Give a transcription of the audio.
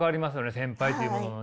先輩というもののね。